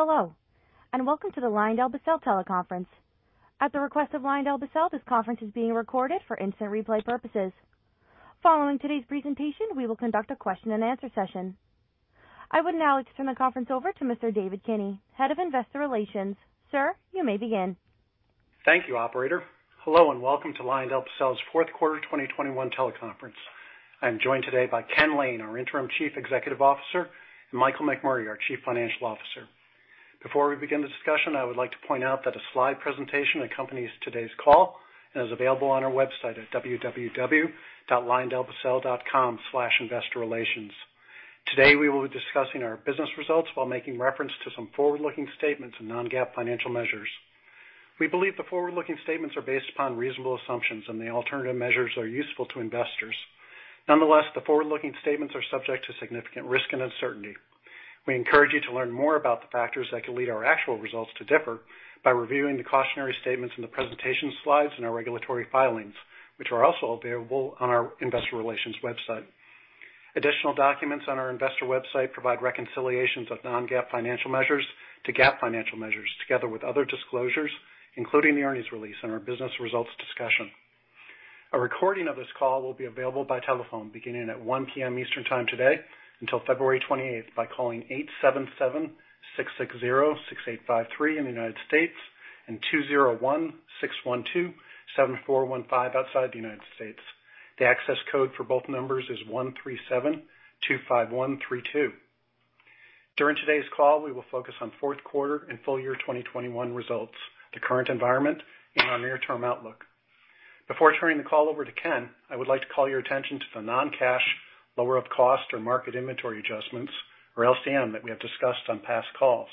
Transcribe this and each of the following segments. Hello, and welcome to the LyondellBasell teleconference. At the request of LyondellBasell, this conference is being recorded for instant replay purposes. Following today's presentation, we will conduct a question and answer session. I would now like to turn the conference over to Mr. David Kinney, Head of Investor Relations. Sir, you may begin. Thank you, operator. Hello, and welcome to LyondellBasell's Q4 2021 teleconference. I'm joined today by Ken Lane, our Interim Chief Executive Officer, and Michael McMurray, our Chief Financial Officer. Before we begin the discussion, I would like to point out that a slide presentation accompanies today's call and is available on our website at www.lyondellbasell.com/investorrelations. Today, we will be discussing our business results while making reference to some forward-looking statements and non-GAAP financial measures. We believe the forward-looking statements are based upon reasonable assumptions and the alternative measures are useful to investors. Nonetheless, the forward-looking statements are subject to significant risk and uncertainty. We encourage you to learn more about the factors that could lead our actual results to differ by reviewing the cautionary statements in the presentation slides and our regulatory filings, which are also available on our investor relations website. Additional documents on our investor website provide reconciliations of non-GAAP financial measures to GAAP financial measures, together with other disclosures, including the earnings release and our business results discussion. A recording of this call will be available by telephone beginning at 1 P.M. Eastern Time today until February 28 by calling 877-660-6853 in the United States and 201-612-7415 outside the United States. The access code for both numbers is 13725132. During today's call, we will focus on Q4 and full year 2021 results, the current environment, and our near-term outlook. Before turning the call over to Ken, I would like to call your attention to the non-cash lower of cost or market inventory adjustments, or LCM, that we have discussed on past calls.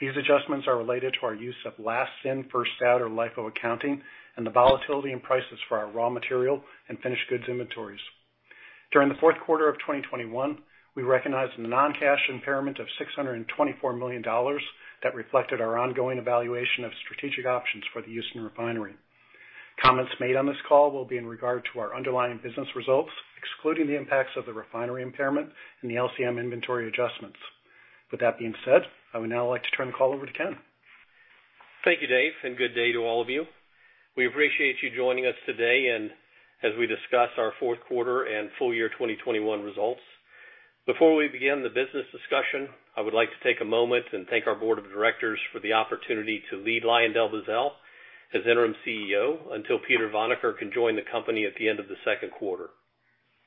These adjustments are related to our use of last in, first out or LIFO accounting and the volatility in prices for our raw material and finished goods inventories. During the Q4 of 2021, we recognized a non-cash impairment of $624 million that reflected our ongoing evaluation of strategic options for the Houston Refinery. Comments made on this call will be in regard to our underlying business results, excluding the impacts of the refinery impairment and the LCM inventory adjustments. With that being said, I would now like to turn the call over to Ken. Thank you, Dave, and good day to all of you. We appreciate you joining us today and as we discuss our Q4 and full year 2021 results. Before we begin the business discussion, I would like to take a moment and thank our board of directors for the opportunity to lead LyondellBasell as Interim CEO until Peter Vanacker can join the company at the end of the Q2.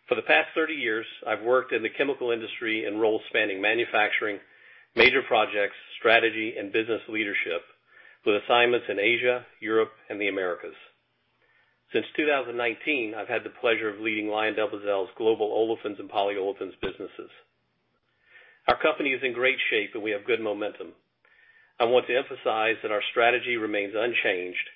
For the past 30 years, I've worked in the chemical industry in roles spanning manufacturing, major projects, strategy and business leadership with assignments in Asia, Europe and the Americas. Since 2019, I've had the pleasure of leading LyondellBasell's global olefins and polyolefins businesses. Our company is in great shape and we have good momentum. I want to emphasize that our strategy remains unchanged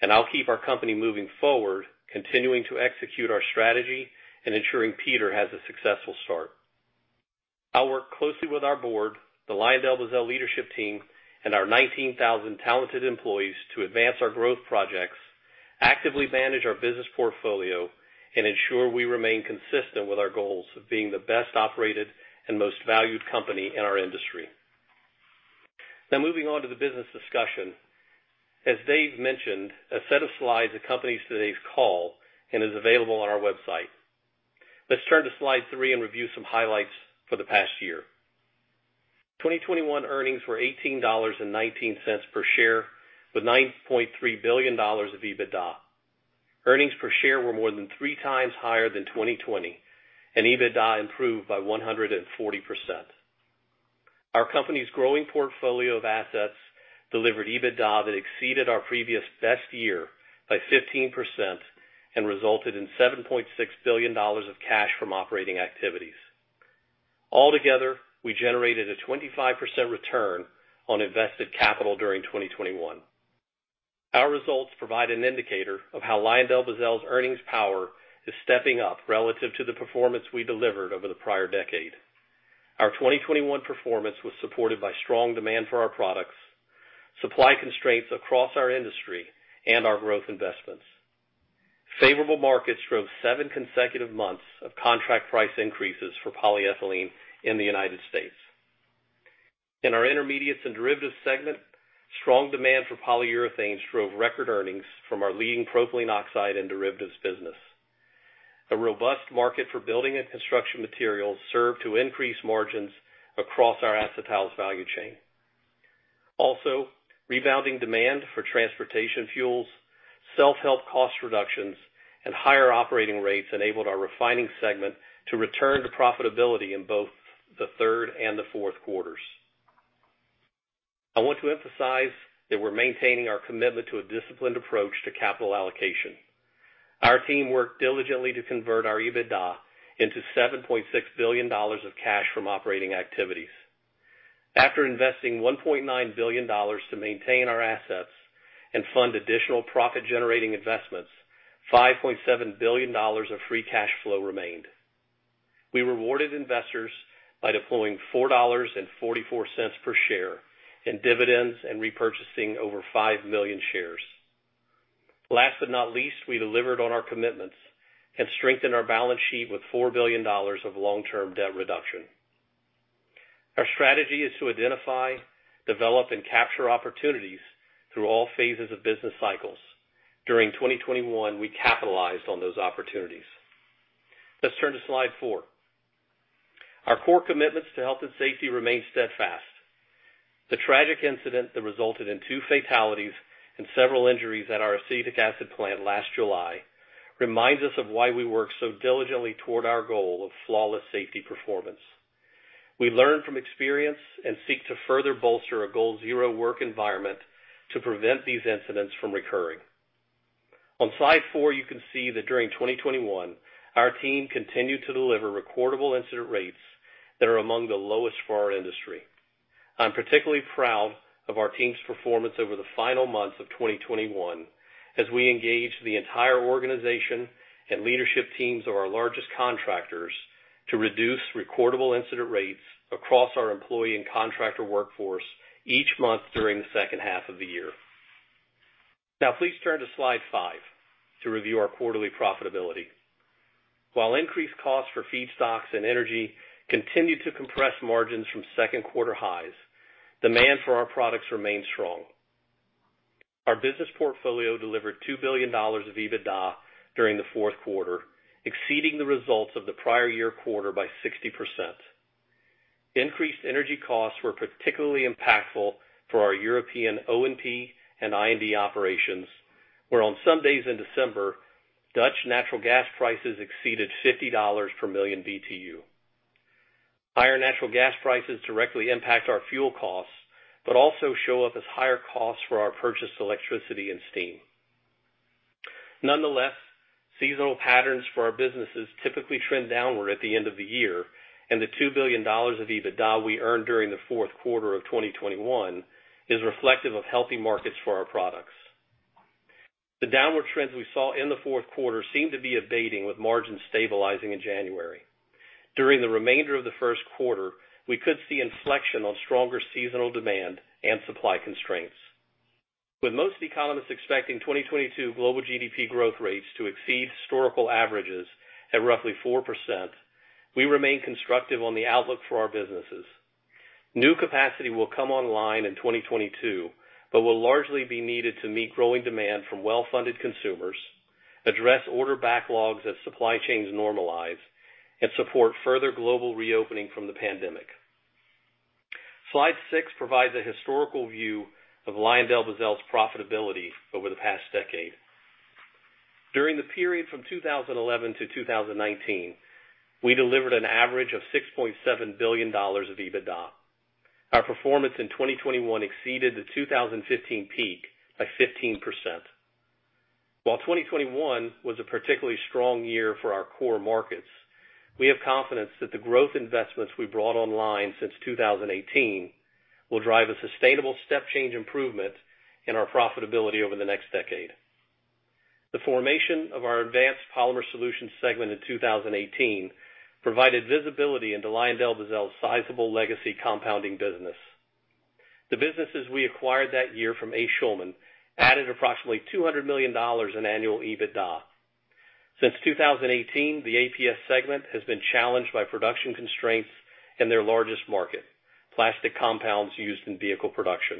and I'll keep our company moving forward, continuing to execute our strategy and ensuring Peter has a successful start. I'll work closely with our board, the LyondellBasell leadership team and our 19,000 talented employees to advance our growth projects, actively manage our business portfolio and ensure we remain consistent with our goals of being the best operated and most valued company in our industry. Now moving on to the business discussion. As Dave mentioned, a set of slides accompanies today's call and is available on our website. Let's turn to slide three and review some highlights for the past year. 2021 earnings were $18.19 per share, with $9.3 billion of EBITDA. Earnings per share were more than three times higher than 2020, and EBITDA improved by 140%. Our company's growing portfolio of assets delivered EBITDA that exceeded our previous best year by 15% and resulted in $7.6 billion of cash from operating activities. Altogether, we generated a 25% return on invested capital during 2021. Our results provide an indicator of how LyondellBasell's earnings power is stepping up relative to the performance we delivered over the prior decade. Our 2021 performance was supported by strong demand for our products, supply constraints across our industry and our growth investments. Favorable markets drove seven consecutive months of contract price increases for polyethylene in the United States. In our Intermediates and Derivatives segment, strong demand for polyurethanes drove record earnings from our leading propylene oxide and derivatives business. A robust market for building and construction materials served to increase margins across our acetals value chain. Rebounding demand for transportation fuels, self-help cost reductions and higher operating rates enabled our refining segment to return to profitability in both the third and the Q4's. I want to emphasize that we're maintaining our commitment to a disciplined approach to capital allocation. Our team worked diligently to convert our EBITDA into $7.6 billion of cash from operating activities. After investing $1.9 billion to maintain our assets and fund additional profit-generating investments, $5.7 billion of free cash flow remained. We rewarded investors by deploying $4.44 per share in dividends and repurchasing over 5 million shares. Last but not least, we delivered on our commitments and strengthened our balance sheet with $4 billion of long-term debt reduction. Our strategy is to identify, develop, and capture opportunities through all phases of business cycles. During 2021, we capitalized on those opportunities. Let's turn to slide four. Our core commitments to health and safety remain steadfast. The tragic incident that resulted in 2 fatalities and several injuries at our acetic acid plant last July reminds us of why we work so diligently toward our goal of flawless safety performance. We learn from experience and seek to further bolster a Goal Zero work environment to prevent these incidents from recurring. On slide four, you can see that during 2021, our team continued to deliver recordable incident rates that are among the lowest for our industry. I'm particularly proud of our team's performance over the final months of 2021, as we engaged the entire organization and leadership teams of our largest contractors to reduce recordable incident rates across our employee and contractor workforce each month during the second half of the year. Now, please turn to slide five to review our quarterly profitability. While increased costs for feedstocks and energy continued to compress margins from Q2 highs, demand for our products remained strong. Our business portfolio delivered $2 billion of EBITDA during the Q4, exceeding the results of the prior year quarter by 60%. Increased energy costs were particularly impactful for our European O&P and I&D operations, where on some days in December, Dutch natural gas prices exceeded $50 per million BTU. Higher natural gas prices directly impact our fuel costs, but also show up as higher costs for our purchased electricity and steam. Nonetheless, seasonal patterns for our businesses typically trend downward at the end of the year, and the $2 billion of EBITDA we earned during the Q4 of 2021 is reflective of healthy markets for our products. The downward trends we saw in the Q4 seem to be abating, with margins stabilizing in January. During the remainder of the Q1, we could see inflection on stronger seasonal demand and supply constraints. With most economists expecting 2022 global GDP growth rates to exceed historical averages at roughly 4%, we remain constructive on the outlook for our businesses. New capacity will come online in 2022, but will largely be needed to meet growing demand from well-funded consumers, address order backlogs as supply chains normalize, and support further global reopening from the pandemic. Slide six provides a historical view of LyondellBasell's profitability over the past decade. During the period from 2011 to 2019, we delivered an average of $6.7 billion of EBITDA. Our performance in 2021 exceeded the 2015 peak by 15%. While 2021 was a particularly strong year for our core markets, we have confidence that the growth investments we brought online since 2018 will drive a sustainable step change improvement in our profitability over the next decade. The formation of our Advanced Polymer Solutions segment in 2018 provided visibility into LyondellBasell's sizable legacy compounding business. The businesses we acquired that year from A. Schulman added approximately $200 million in annual EBITDA. Since 2018, the APS segment has been challenged by production constraints in their largest market, plastic compounds used in vehicle production.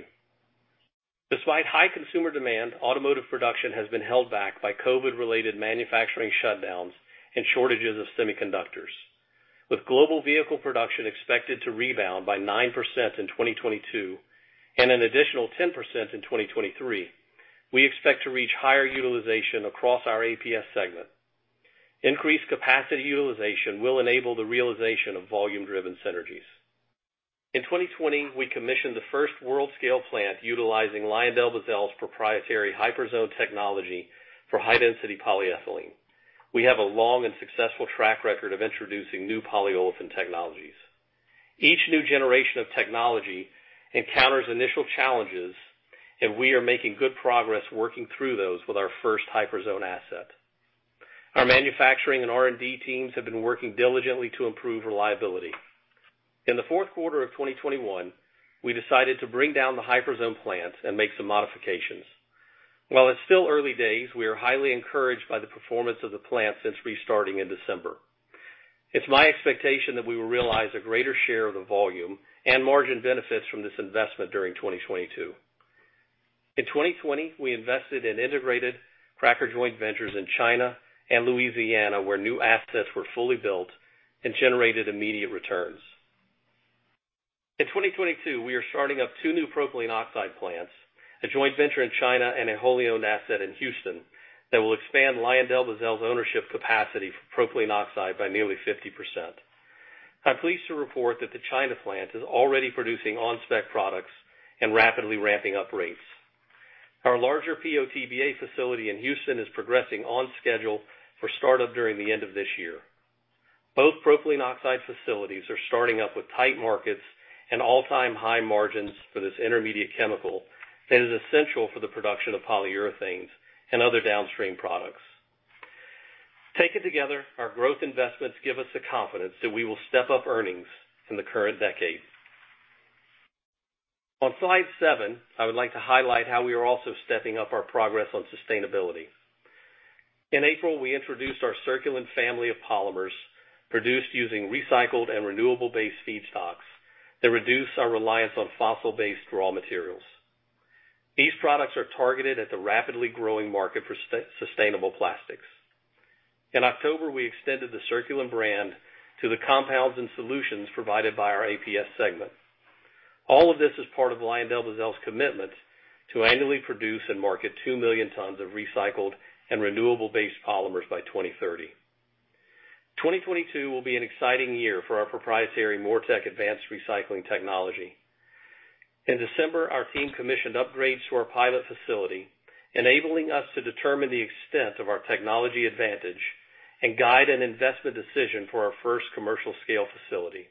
Despite high consumer demand, automotive production has been held back by COVID-related manufacturing shutdowns and shortages of semiconductors. With global vehicle production expected to rebound by 9% in 2022 and an additional 10% in 2023, we expect to reach higher utilization across our APS segment. Increased capacity utilization will enable the realization of volume-driven synergies. In 2020, we commissioned the first world scale plant utilizing LyondellBasell's proprietary Hyperzone technology for high density polyethylene. We have a long and successful track record of introducing new polyolefin technologies. Each new generation of technology encounters initial challenges, and we are making good progress working through those with our first Hyperzone asset. Our manufacturing and R&D teams have been working diligently to improve reliability. In the Q4 of 2021, we decided to bring down the Hyperzone plant and make some modifications. While it's still early days, we are highly encouraged by the performance of the plant since restarting in December. It's my expectation that we will realize a greater share of the volume and margin benefits from this investment during 2022. In 2020, we invested in integrated cracker joint ventures in China and Louisiana, where new assets were fully built and generated immediate returns. In 2022, we are starting up 2 new propylene oxide plants, a joint venture in China and a wholly owned asset in Houston, that will expand LyondellBasell's ownership capacity for propylene oxide by nearly 50%. I'm pleased to report that the China plant is already producing on-spec products and rapidly ramping up rates. Our larger PO/TBA facility in Houston is progressing on schedule for startup during the end of this year. Both propylene oxide facilities are starting up with tight markets and all-time high margins for this intermediate chemical that is essential for the production of polyurethanes and other downstream products. Taken together, our growth investments give us the confidence that we will step up earnings in the current decade. On slide seven, I would like to highlight how we are also stepping up our progress on sustainability. In April, we introduced our Circulen family of polymers produced using recycled and renewable-based feedstocks that reduce our reliance on fossil-based raw materials. These products are targeted at the rapidly growing market for sustainable plastics. In October, we extended the Circulen brand to the compounds and solutions provided by our APS segment. All of this is part of LyondellBasell's commitment to annually produce and market 2 million tons of recycled and renewable-based polymers by 2030. 2022 will be an exciting year for our proprietary MoReTec advanced recycling technology. In December, our team commissioned upgrades to our pilot facility, enabling us to determine the extent of our technology advantage and guide an investment decision for our first commercial scale facility.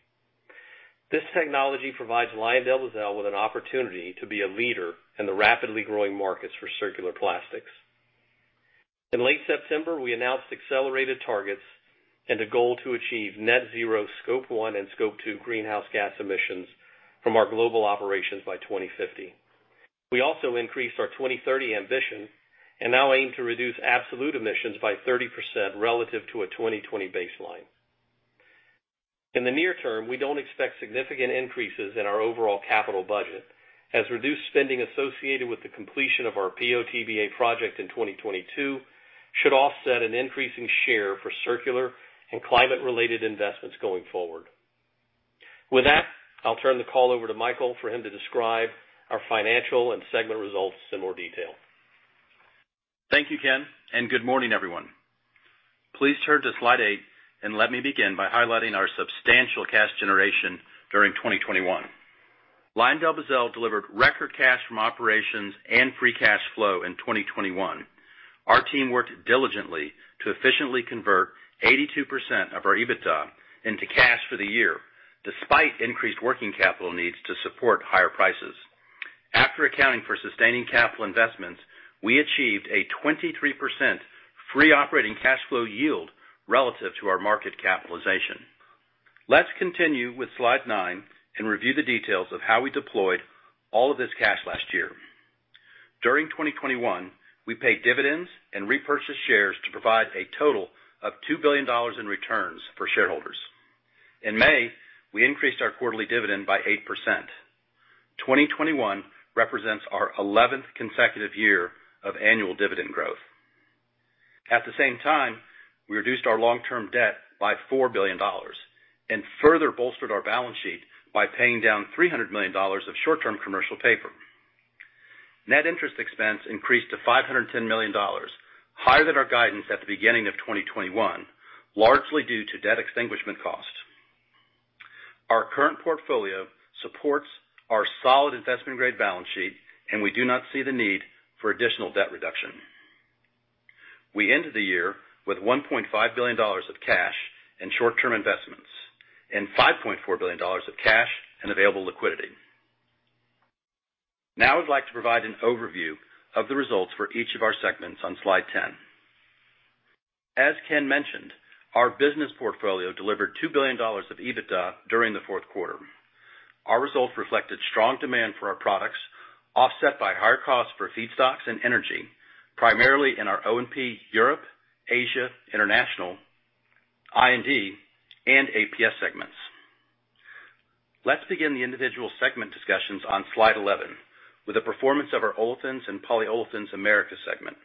This technology provides LyondellBasell with an opportunity to be a leader in the rapidly growing markets for circular plastics. In late September, we announced accelerated targets and a goal to achieve net zero Scope One and Scope Two greenhouse gas emissions from our global operations by 2050. We also increased our 2030 ambition and now aim to reduce absolute emissions by 30% relative to a 2020 baseline. In the near term, we don't expect significant increases in our overall capital budget, as reduced spending associated with the completion of our PO/TBA project in 2022 should offset an increase in share for circular and climate-related investments going forward. With that, I'll turn the call over to Michael for him to describe our financial and segment results in more detail. Thank you, Ken, and good morning, everyone. Please turn to slide eight and let me begin by highlighting our substantial cash generation during 2021. LyondellBasell delivered record cash from operations and free cash flow in 2021. Our team worked diligently to efficiently convert 82% of our EBITDA into cash for the year, despite increased working capital needs to support higher prices. After accounting for sustaining capital investments, we achieved a 23% free operating cash flow yield relative to our market capitalization. Let's continue with slide nine and review the details of how we deployed all of this cash last year. During 2021, we paid dividends and repurchased shares to provide a total of $2 billion in returns for shareholders. In May, we increased our quarterly dividend by 8%. 2021 represents our 11th consecutive year of annual dividend growth. At the same time, we reduced our long-term debt by $4 billion and further bolstered our balance sheet by paying down $300 million of short-term commercial paper. Net interest expense increased to $510 million, higher than our guidance at the beginning of 2021, largely due to debt extinguishment costs. Our current portfolio supports our solid investment-grade balance sheet, and we do not see the need for additional debt reduction. We ended the year with $1.5 billion of cash and short-term investments and $5.4 billion of cash and available liquidity. Now I'd like to provide an overview of the results for each of our segments on slide 10. As Ken mentioned, our business portfolio delivered $2 billion of EBITDA during the Q4. Our results reflected strong demand for our products, offset by higher costs for feedstocks and energy, primarily in our O&P Europe, Asia, International, I&D, and APS segments. Let's begin the individual segment discussions on slide 11 with the performance of our Olefins and Polyolefins Americas segment.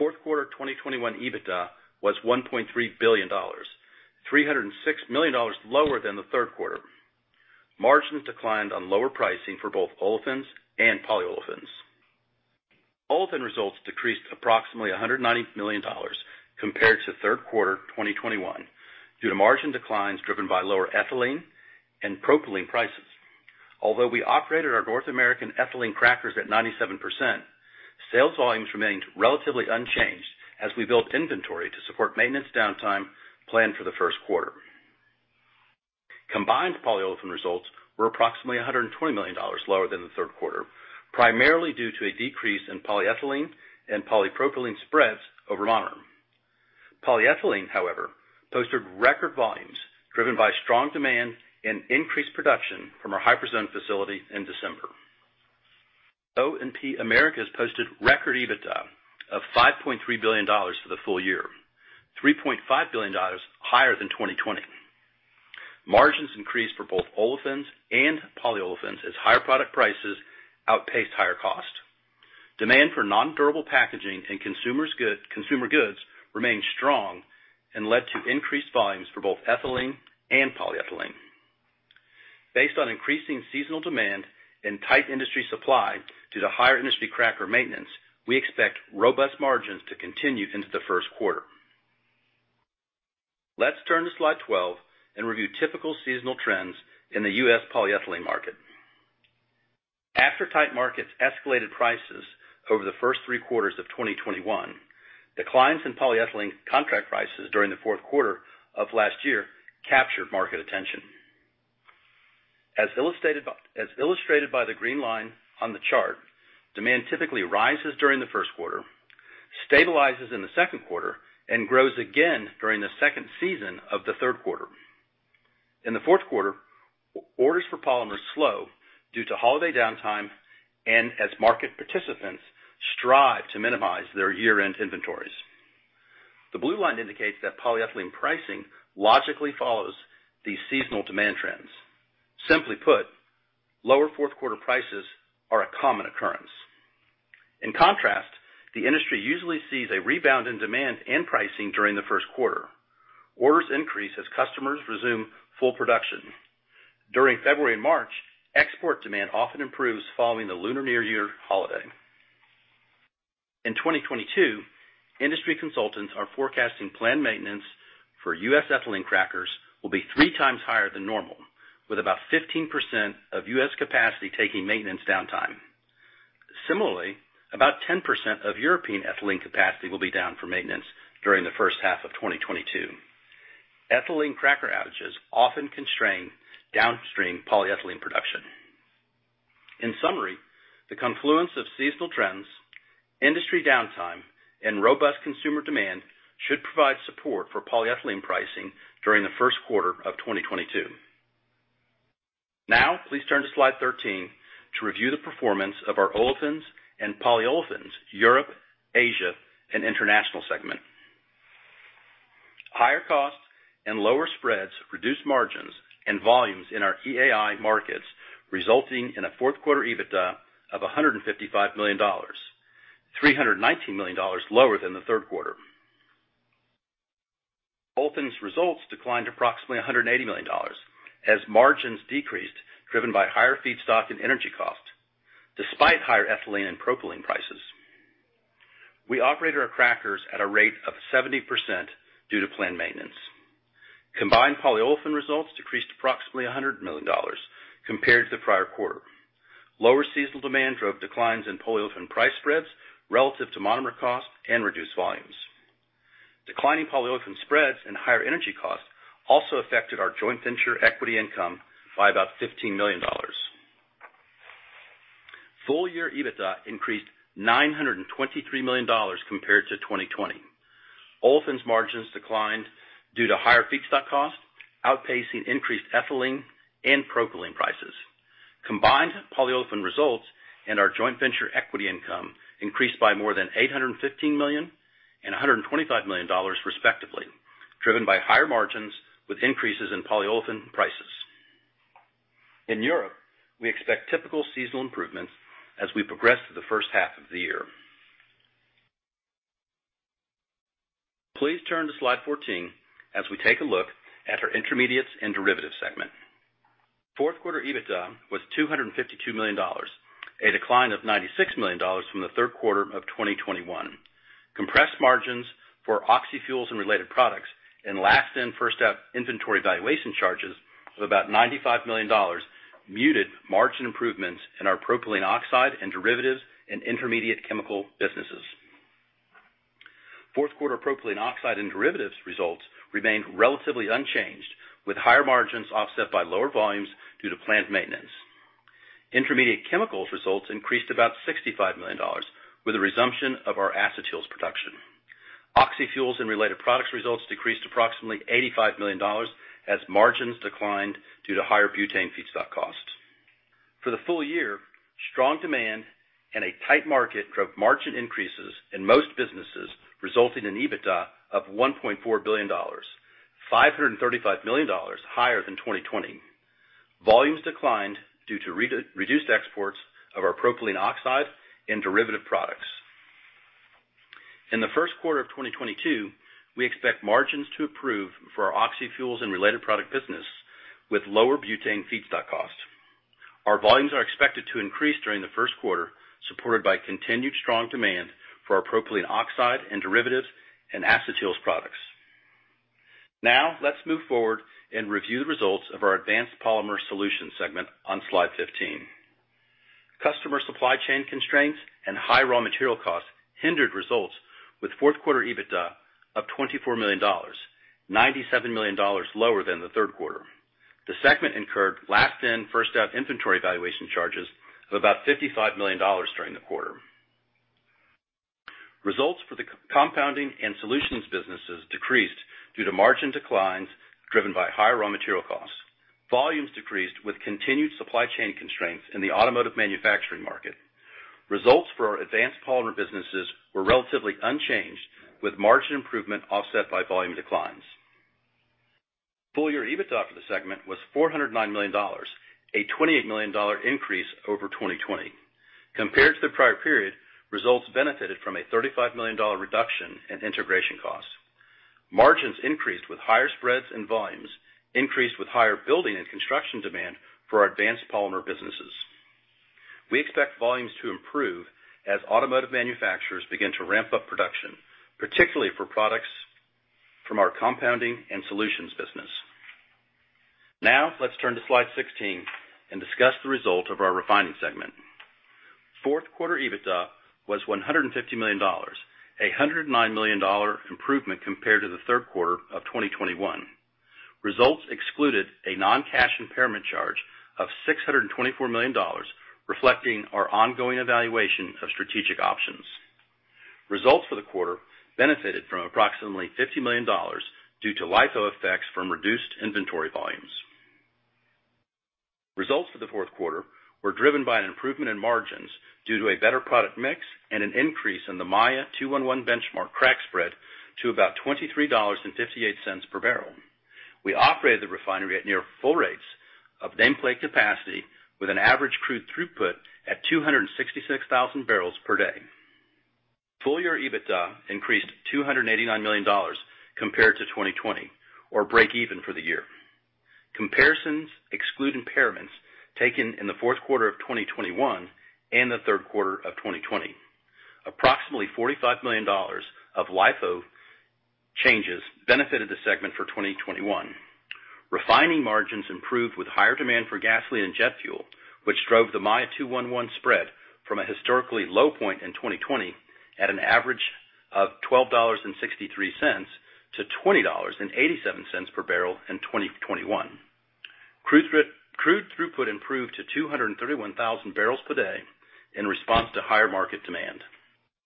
Q4 2021 EBITDA was $1.3 billion, $306 million lower than the Q3. Margins declined on lower pricing for both olefins and polyolefins. Olefins results decreased approximately $190 million compared to Q3 2021 due to margin declines driven by lower ethylene and propylene prices. Although we operated our North American ethylene crackers at 97%, sales volumes remained relatively unchanged as we built inventory to support maintenance downtime planned for the Q1. Combined polyolefin results were approximately $120 million lower than the Q3, primarily due to a decrease in polyethylene and polypropylene spreads over monomer. Polyethylene, however, posted record volumes driven by strong demand and increased production from our Hyperzone facility in December. O&P Americas posted record EBITDA of $5.3 billion for the full year, $3.5 billion higher than 2020. Margins increased for both olefins and polyolefins as higher product prices outpaced higher cost. Demand for non-durable packaging and consumer goods remained strong and led to increased volumes for both ethylene and polyethylene. Based on increasing seasonal demand and tight industry supply due to higher industry cracker maintenance, we expect robust margins to continue into the Q1. Let's turn to slide 12 and review typical seasonal trends in the U.S. polyethylene market. After tight markets escalated prices over the first three quarters of 2021, declines in polyethylene contract prices during the Q4 of last year captured market attention. As illustrated by the green line on the chart, demand typically rises during the Q1. Stabilizes in the Q2 and grows again during the second half of the Q3. In the Q4, orders for polymers slow due to holiday downtime and as market participants strive to minimize their year-end inventories. The blue line indicates that polyethylene pricing logically follows these seasonal demand trends. Simply put, lower Q4 prices are a common occurrence. In contrast, the industry usually sees a rebound in demand and pricing during the Q1. Orders increase as customers resume full production. During February and March, export demand often improves following the Lunar New Year holiday. In 2022, industry consultants are forecasting planned maintenance for U.S. ethylene crackers will be three times higher than normal, with about 15% of U.S. capacity taking maintenance downtime. Similarly, about 10% of European ethylene capacity will be down for maintenance during the first half of 2022. Ethylene cracker outages often constrain downstream polyethylene production. In summary, the confluence of seasonal trends, industry downtime, and robust consumer demand should provide support for polyethylene pricing during the Q1 of 2022. Now please turn to slide 13 to review the performance of our Olefins and Polyolefins Europe, Asia, and International segment. Higher costs and lower spreads reduced margins and volumes in our EAI markets, resulting in a Q4 EBITDA of $155 million, $319 million lower than the Q3. Olefins results declined approximately $180 million as margins decreased, driven by higher feedstock and energy costs despite higher ethylene and propylene prices. We operated our crackers at a rate of 70% due to planned maintenance. Combined polyolefin results decreased approximately $100 million compared to the prior quarter. Lower seasonal demand drove declines in polyolefin price spreads relative to monomer costs and reduced volumes. Declining polyolefin spreads and higher energy costs also affected our joint venture equity income by about $15 million. Full-year EBITDA increased $923 million compared to 2020. Olefins margins declined due to higher feedstock costs outpacing increased ethylene and propylene prices. Combined polyolefin results and our joint venture equity income increased by more than $815 million and $125 million respectively, driven by higher margins with increases in polyolefin prices. In Europe, we expect typical seasonal improvements as we progress through the first half of the year. Please turn to slide 14 as we take a look at our Intermediates and Derivatives segment. Q4 EBITDA was $252 million, a decline of $96 million from the Q3 of 2021. Compressed margins for oxyfuels and related products and last in, first out inventory valuation charges of about $95 million muted margin improvements in our propylene oxide and derivatives and intermediate chemical businesses. Q4 propylene oxide and derivatives results remained relatively unchanged, with higher margins offset by lower volumes due to planned maintenance. Intermediate chemicals results increased about $65 million with a resumption of our acetyls production. Oxyfuels and related products results decreased approximately $85 million as margins declined due to higher butane feedstock costs. For the full year, strong demand and a tight market drove margin increases in most businesses, resulting in EBITDA of $1.4 billion, $535 million higher than 2020. Volumes declined due to reduced exports of our propylene oxide and derivative products. In the Q1 of 2022, we expect margins to improve for our oxyfuels and related product business with lower butane feedstock costs. Our volumes are expected to increase during the Q1, supported by continued strong demand for our propylene oxide and derivatives and acetyls products. Now let's move forward and review the results of our Advanced Polymer Solutions segment on slide 15. Customer supply chain constraints and high raw material costs hindered results with Q4 EBITDA of $24 million, $97 million lower than the Q3. The segment incurred last in, first out inventory valuation charges of about $55 million during the quarter. Results for the compounding and solutions businesses decreased due to margin declines driven by higher raw material costs. Volumes decreased with continued supply chain constraints in the automotive manufacturing market. Results for our advanced polymer businesses were relatively unchanged, with margin improvement offset by volume declines. Full year EBITDA for the segment was $409 million, a $28 million increase over 2020. Compared to the prior period, results benefited from a $35 million reduction in integration costs. Margins increased with higher spreads, and volumes increased with higher building and construction demand for our advanced polymer businesses. We expect volumes to improve as automotive manufacturers begin to ramp up production, particularly for products from our compounding and solutions business. Now let's turn to slide 16 and discuss the result of our Refining segment. Q4 EBITDA was $150 million, a $109 million improvement compared to the Q3 of 2021. Results excluded a non-cash impairment charge of $624 million, reflecting our ongoing evaluation of strategic options. Results for the quarter benefited from approximately $50 million due to LIFO effects from reduced inventory volumes. Results for the Q4 were driven by an improvement in margins due to a better product mix and an increase in the Maya 2-1-1 benchmark crack spread to about $23.58 per barrel. We operated the refinery at near full rates of nameplate capacity with an average crude throughput at 266,000 barrels per day. Full year EBITDA increased $289 million compared to 2020 or break even for the year. Comparisons exclude impairments taken in the Q4 of 2021 and the Q3 of 2020. Approximately $45 million of LIFO changes benefited the segment for 2021. Refining margins improved with higher demand for gasoline and jet fuel, which drove the Maya 2-1-1 spread from a historically low point in 2020 at an average of $12.63 to $20.87 per barrel in 2021. Crude throughput improved to 231,000 barrels per day in response to higher market demand.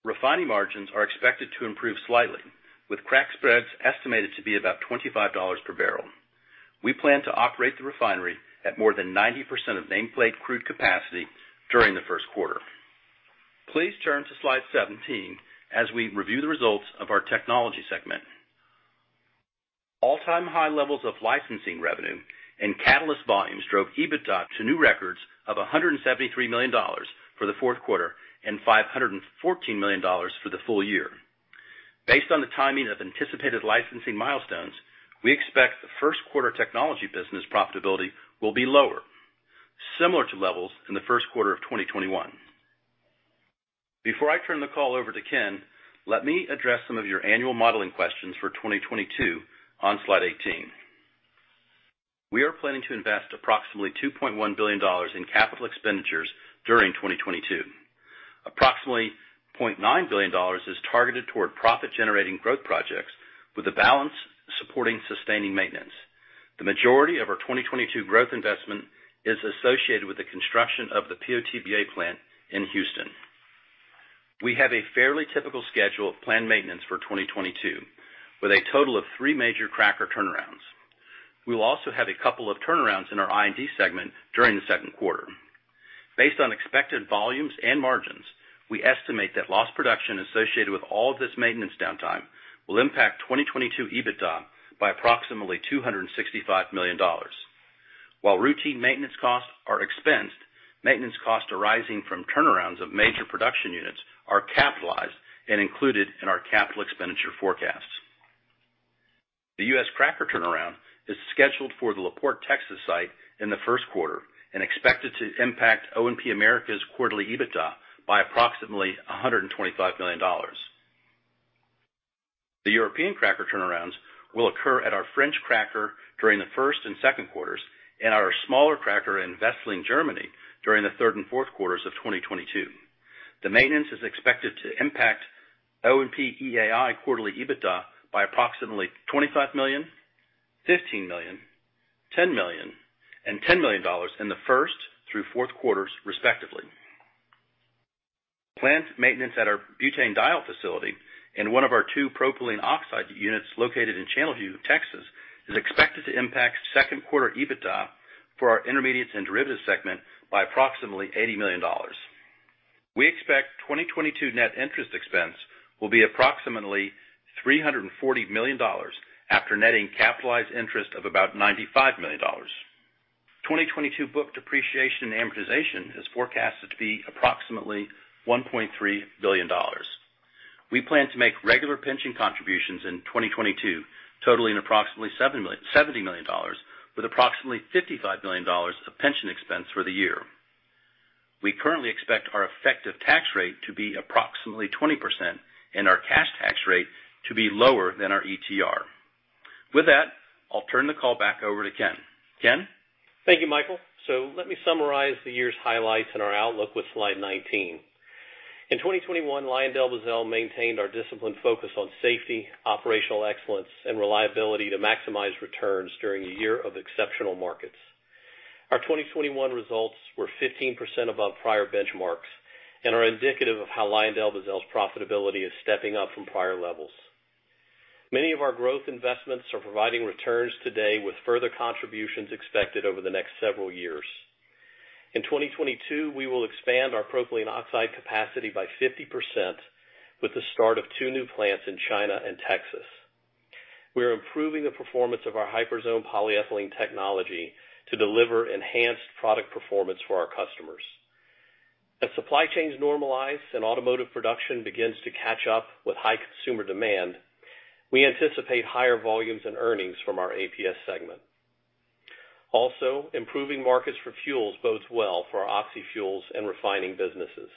Refining margins are expected to improve slightly, with crack spreads estimated to be about $25 per barrel. We plan to operate the refinery at more than 90% of nameplate crude capacity during the Q1. Please turn to slide 17 as we review the results of our technology segment. All-time high levels of licensing revenue and catalyst volumes drove EBITDA to new records of $173 million for the Q4 and $514 million for the full year. Based on the timing of anticipated licensing milestones, we expect the Q1 technology business profitability will be lower, similar to levels in the Q1 of 2021. Before I turn the call over to Ken, let me address some of your annual modeling questions for 2022 on slide 18. We are planning to invest approximately $2.1 billion in capital expenditures during 2022. Approximately $0.9 billion is targeted toward profit-generating growth projects with the balance supporting sustaining maintenance. The majority of our 2022 growth investment is associated with the construction of the PO/TBA plant in Houston. We have a fairly typical schedule of planned maintenance for 2022, with a total of three major cracker turnarounds. We will also have a couple of turnarounds in our I&D segment during the Q2. Based on expected volumes and margins, we estimate that lost production associated with all of this maintenance downtime will impact 2022 EBITDA by approximately $265 million. While routine maintenance costs are expensed, maintenance costs arising from turnarounds of major production units are capitalized and included in our capital expenditure forecasts. The U.S. cracker turnaround is scheduled for the La Porte, Texas site in the Q1 and expected to impact O&P Americas quarterly EBITDA by approximately $125 million. The European cracker turnarounds will occur at our French cracker during the Q1 and Q2 and our smaller cracker in Wesseling, Germany during the third and Q4's of 2022. The maintenance is expected to impact O&P EAI quarterly EBITDA by approximately $25 million, $15 million, $10 million, and $10 million in the first through Q4's, respectively. Planned maintenance at our butanediol facility in one of our two propylene oxide units located in Channelview, Texas is expected to impact Q2 EBITDA for our Intermediates and Derivatives segment by approximately $80 million. We expect 2022 net interest expense will be approximately $340 million after netting capitalized interest of about $95 million. 2022 booked depreciation and amortization is forecasted to be approximately $1.3 billion. We plan to make regular pension contributions in 2022, totaling approximately $70 million, with approximately $55 million of pension expense for the year. We currently expect our effective tax rate to be approximately 20% and our cash tax rate to be lower than our ETR. With that, I'll turn the call back over to Ken. Ken? Thank you, Michael. Let me summarize the year's highlights and our outlook with slide 19. In 2021, LyondellBasell maintained our disciplined focus on safety, operational excellence, and reliability to maximize returns during a year of exceptional markets. Our 2021 results were 15% above prior benchmarks and are indicative of how LyondellBasell's profitability is stepping up from prior levels. Many of our growth investments are providing returns today with further contributions expected over the next several years. In 2022, we will expand our propylene oxide capacity by 50% with the start of two new plants in China and Texas. We are improving the performance of our Hyperzone polyethylene technology to deliver enhanced product performance for our customers. As supply chains normalize and automotive production begins to catch up with high consumer demand, we anticipate higher volumes and earnings from our APS segment. Also, improving markets for fuels bodes well for our oxyfuels and refining businesses.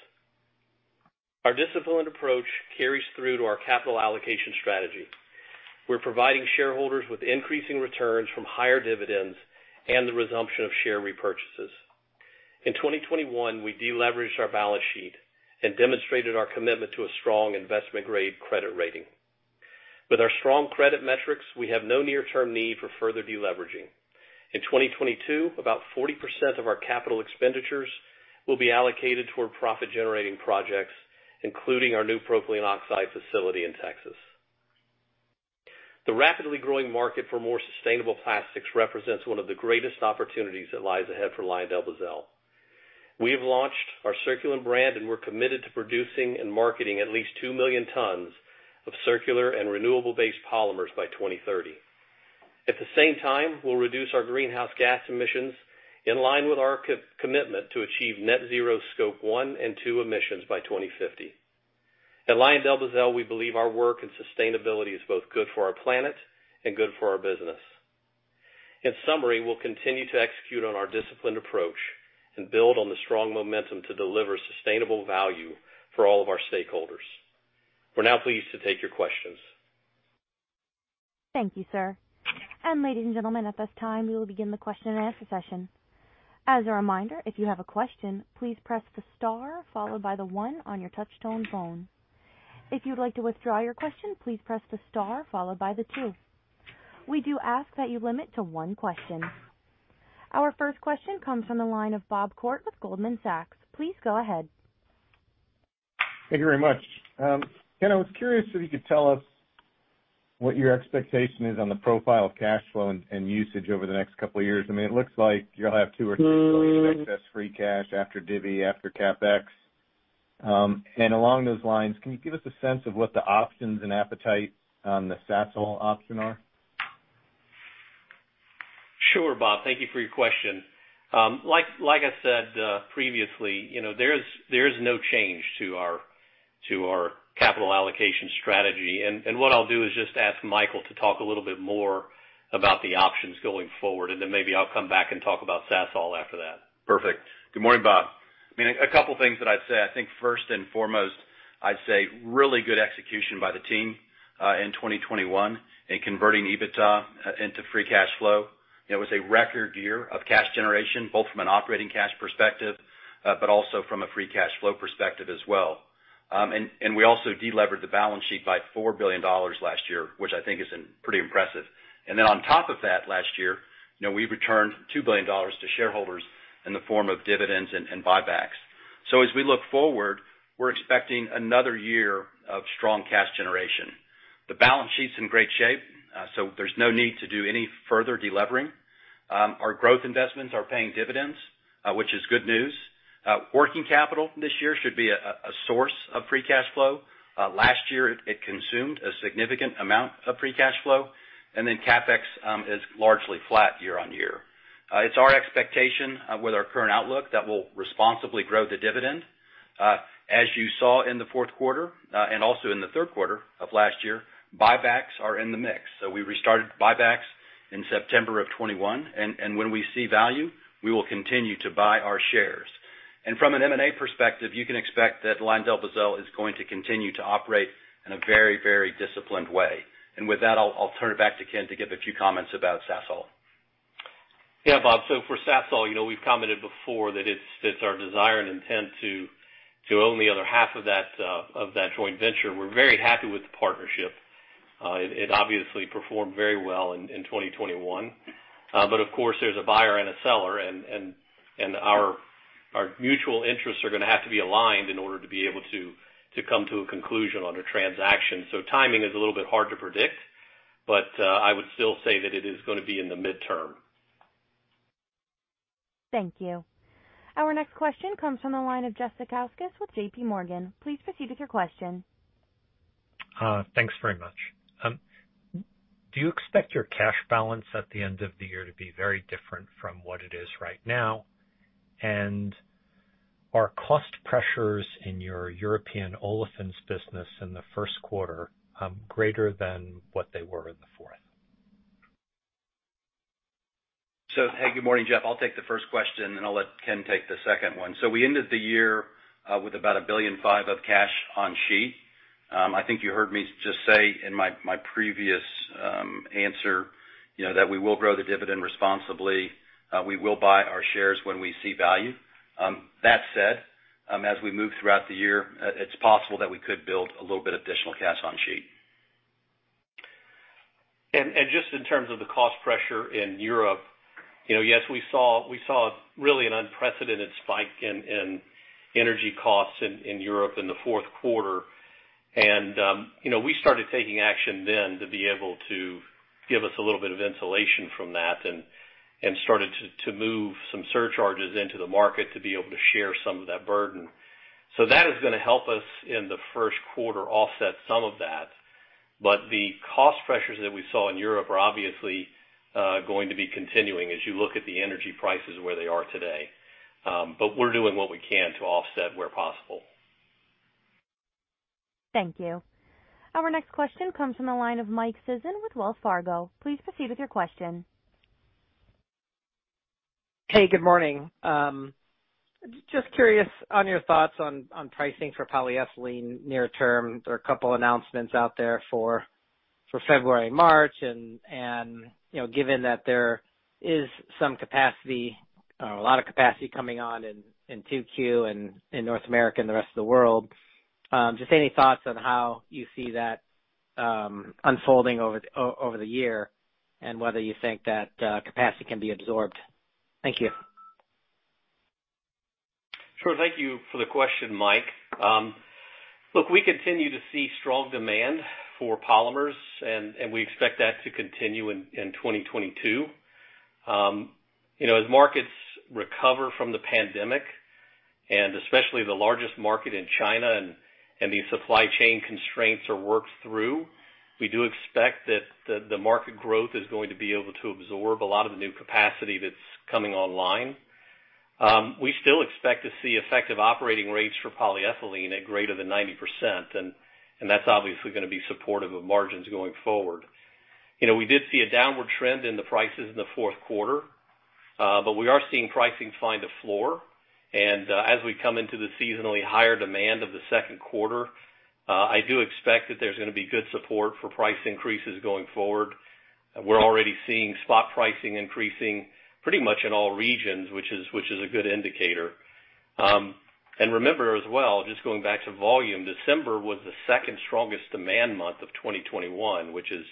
Our disciplined approach carries through to our capital allocation strategy. We're providing shareholders with increasing returns from higher dividends and the resumption of share repurchases. In 2021, we deleveraged our balance sheet and demonstrated our commitment to a strong investment grade credit rating. With our strong credit metrics, we have no near-term need for further deleveraging. In 2022, about 40% of our capital expenditures will be allocated toward profit-generating projects, including our new propylene oxide facility in Texas. The rapidly growing market for more sustainable plastics represents one of the greatest opportunities that lies ahead for LyondellBasell. We have launched our Circulen brand, and we're committed to producing and marketing at least 2 million tons of circular and renewable-based polymers by 2030. At the same time, we'll reduce our greenhouse gas emissions in line with our commitment to achieve net zero Scope one and two emissions by 2050. At LyondellBasell, we believe our work in sustainability is both good for our planet and good for our business. In summary, we'll continue to execute on our disciplined approach and build on the strong momentum to deliver sustainable value for all of our stakeholders. We're now pleased to take your questions. Thank you, sir. Ladies and gentlemen, at this time, we will begin the question-and-answer session. As a reminder, if you have a question, please press the star followed by the one on your touchtone phone. If you'd like to withdraw your question, please press the star followed by the two. We do ask that you limit to one question. Our first question comes from the line of Bob Koort with Goldman Sachs. Please go ahead. Thank you very much. Ken, I was curious if you could tell us what your expectation is on the profile of cash flow and usage over the next couple of years. I mean, it looks like you'll have two or three years of excess free cash after divvy, after CapEx. Along those lines, can you give us a sense of what the options and appetite on the Sasol option are? Sure, Bob. Thank you for your question. Like I said previously, you know, there is no change to our capital allocation strategy. What I'll do is just ask Michael to talk a little bit more about the options going forward, and then maybe I'll come back and talk about Sasol after that. Perfect. Good morning, Bob. I mean, a couple of things that I'd say. I think first and foremost, I'd say really good execution by the team in 2021 in converting EBITDA into free cash flow. It was a record year of cash generation, both from an operating cash perspective, but also from a free cash flow perspective as well. We also delevered the balance sheet by $4 billion last year, which I think is pretty impressive. Then on top of that last year, you know, we returned $2 billion to shareholders in the form of dividends and buybacks. As we look forward, we're expecting another year of strong cash generation. The balance sheet's in great shape, so there's no need to do any further delevering. Our growth investments are paying dividends, which is good news. Working capital this year should be a source of free cash flow. Last year it consumed a significant amount of free cash flow, and then CapEx is largely flat year on year. It's our expectation with our current outlook that we'll responsibly grow the dividend. As you saw in the Q4 and also in the Q3 of last year, buybacks are in the mix. We restarted buybacks in September of 2021, and when we see value, we will continue to buy our shares. From an M&A perspective, you can expect that LyondellBasell is going to continue to operate in a very, very disciplined way. With that, I'll turn it back to Ken to give a few comments about Sasol. Yeah, Bob. For Sasol, you know, we've commented before that it's our desire and intent to own the other half of that joint venture. We're very happy with the partnership. It obviously performed very well in 2021. But of course, there's a buyer and a seller, and our mutual interests are gonna have to be aligned in order to be able to come to a conclusion on a transaction. Timing is a little bit hard to predict, but I would still say that it is gonna be in the midterm. Thank you. Our next question comes from the line of Jeff Zekauskas with JPMorgan. Please proceed with your question. Thanks very much. Do you expect your cash balance at the end of the year to be very different from what it is right now? Are cost pressures in your European Olefins business in the Q1 greater than what they were in the fourth? Hey, good morning, Jeff. I'll take the first question, and I'll let Ken take the second one. We ended the year with about $1.5 billion of cash on sheet. I think you heard me just say in my previous answer, you know, that we will grow the dividend responsibly. We will buy our shares when we see value. That said, as we move throughout the year, it's possible that we could build a little bit additional cash on sheet. Just in terms of the cost pressure in Europe, you know, yes, we saw really an unprecedented spike in energy costs in Europe in the Q4. You know, we started taking action then to be able to give us a little bit of insulation from that and started to move some surcharges into the market to be able to share some of that burden. That is gonna help us in the Q1 offset some of that. The cost pressures that we saw in Europe are obviously going to be continuing as you look at the energy prices where they are today. We're doing what we can to offset where possible. Thank you. Our next question comes from the line of Mike Sison with Wells Fargo. Please proceed with your question. Hey, good morning. Just curious on your thoughts on pricing for polyethylene near term. There are a couple announcements out there for For February and March, you know, given that there is some capacity or a lot of capacity coming on in 2Q in North America and the rest of the world, just any thoughts on how you see that unfolding over the year and whether you think that capacity can be absorbed? Thank you. Sure. Thank you for the question, Mike. Look, we continue to see strong demand for polymers and we expect that to continue in 2022. You know, as markets recover from the pandemic, and especially the largest market in China and the supply chain constraints are worked through, we do expect that the market growth is going to be able to absorb a lot of the new capacity that's coming online. We still expect to see effective operating rates for polyethylene at greater than 90%, and that's obviously gonna be supportive of margins going forward. You know, we did see a downward trend in the prices in the Q4, but we are seeing pricing find a floor. As we come into the seasonally higher demand of the Q2, I do expect that there's gonna be good support for price increases going forward. We're already seeing spot pricing increasing pretty much in all regions, which is a good indicator. Remember as well, just going back to volume, December was the second strongest demand month of 2021, which is